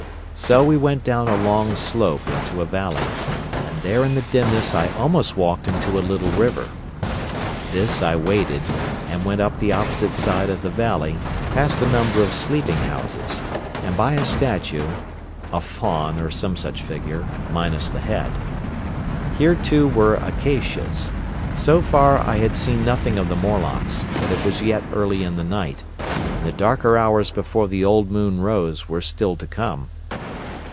So we went down a long slope into a valley, and there in the dimness I almost walked into a little river. This I waded, and went up the opposite side of the valley, past a number of sleeping houses, and by a statue—a Faun, or some such figure, minus the head. Here too were acacias. So far I had seen nothing of the Morlocks, but it was yet early in the night, and the darker hours before the old moon rose were still to come.